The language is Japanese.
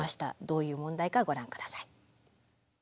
どういう問題かご覧下さい。